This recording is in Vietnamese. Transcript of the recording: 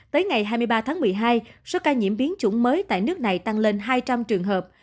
tới ngày hai mươi ba tháng một mươi hai số ca nhiễm biến chủng mới tại nước này tăng lên hai trăm linh trường hợp